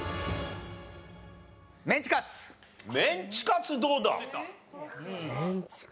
メンチカツどうだ？